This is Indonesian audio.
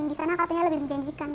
di sana katanya lebih menjanjikan